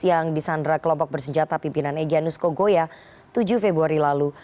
yang disandra kelompok bersenjata pimpinan egyanus kogoya tujuh februari lalu